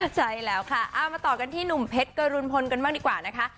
ใช่แล้วค่ะเอามาต่อกันที่หนุ่มเพชรกรุณพลกันบ้างดีกว่านะคะ